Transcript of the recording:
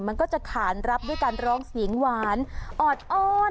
มันก็จะขานรับด้วยการร้องเสียงหวานออดอ้อน